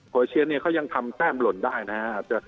โครเชียนี่เขายังทำแจ้มหล่นได้นะฮะ